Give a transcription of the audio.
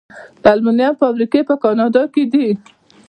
د المونیم فابریکې په کاناډا کې دي.